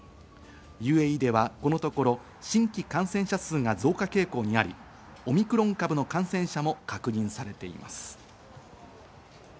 ＵＡＥではこのところ新規感染者数が増加傾向にあり、オミクロン株の感染者も確認されています。